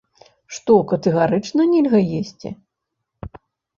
Што катэгарычна нельга есці?